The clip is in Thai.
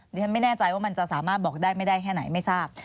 ดิฉันไม่แน่ใจว่ามันจะสามารถบอกได้ไม่ได้แค่ไหนไม่ทราบ